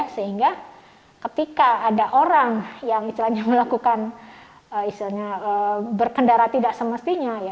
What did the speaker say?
sehingga ketika ada orang yang istilahnya melakukan berkendara tidak semestinya